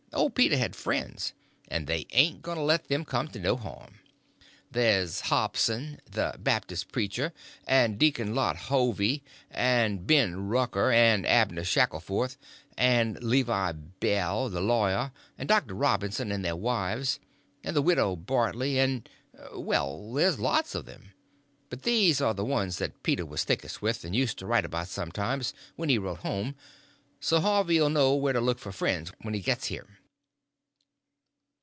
Old Peter had friends, and they ain't going to let them come to no harm. There's Hobson, the Babtis' preacher; and Deacon Lot Hovey, and Ben Rucker, and Abner Shackleford, and Levi Bell, the lawyer; and Dr. Robinson, and their wives, and the widow Bartley, and—well, there's a lot of them; but these are the ones that Peter was thickest with, and used to write about sometimes, when he wrote home; so Harvey 'll know where to look for friends when he gets here."